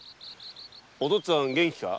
お父っつぁんは元気か？